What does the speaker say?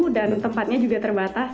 dan tempatnya juga terbatas